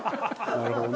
なるほどね。